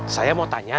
saya mau tanya